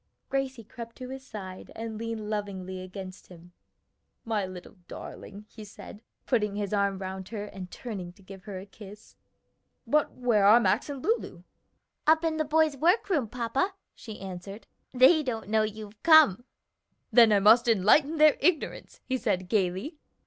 Gracie crept to his side and leaned lovingly against him. "My little darling," he said, putting his arm round her and turning to give her a kiss. "But where are Max and Lulu?" "Up in the boys' work room, papa," she answered. "They don't know you've come." "Then I must enlighten their ignorance," he said gayly.